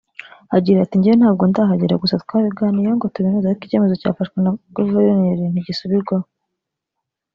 Agira ati “Njye ntabwo ndahagera gusa twabiganiyeho ngo tubinoze ariko icyemezo cyafashwe na Guverioneri ntigisubirwaho